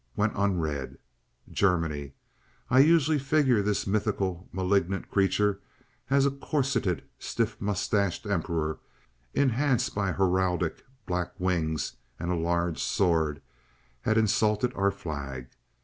went unread. "Germany"—I usually figured this mythical malignant creature as a corseted stiff mustached Emperor enhanced by heraldic black wings and a large sword—had insulted our flag.